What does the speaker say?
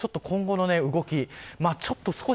今後の動き